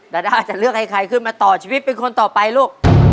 ดาด้าจะเลือกให้ใครขึ้นมาต่อชีวิตเป็นคนต่อไปลูก